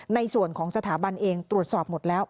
ในส่วนของสถาบันเองตรวจสอบหมดแล้ว